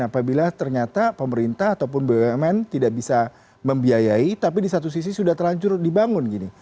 apabila ternyata pemerintah ataupun bumn tidak bisa membiayai tapi di satu sisi sudah terhancur dibangun gini